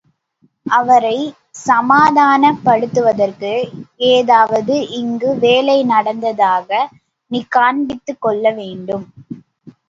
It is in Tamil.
அவரைச் சமாதானப் படுத்துவதற்கு ஏதாவது இங்கு வேலை நடந்ததாக நீ காண்பித்துக் கொள்ள வேண்டும்.